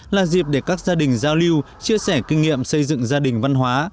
là dịp để các gia đình giao lưu chia sẻ kinh nghiệm xây dựng gia đình văn hóa